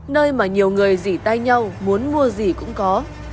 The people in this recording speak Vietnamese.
nơi mà nhiều người dỉ tay nhau muốn mua gì cũng có